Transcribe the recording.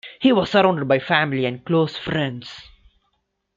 He was surrounded by family and close friends.